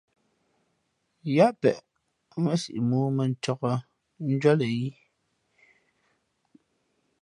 Yáá peʼ mά siʼ mōō mά mᾱncāk njwíátlᾱ í.